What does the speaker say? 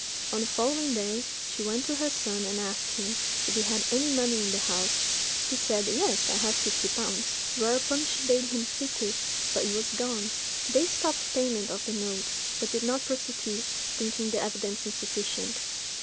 On the following day, she went to her son and asked him if he had any money in the house; he said, "Yes, I have fifty pounds:" whereupon she bade him seek it, but it was gone. They stopped payment of the note; but did not prosecute, thinking the evidence insufficient.